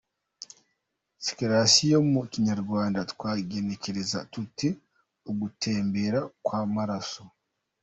C : Circulation : Mu Kinyarwanda twagenekereza tuti : “ugutembera kw’amaraso”.